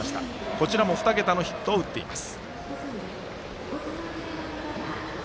こちらも２桁のヒットを打っています。